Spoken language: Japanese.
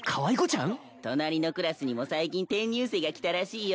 隣のクラスにも最近転入生が来たらしいよ。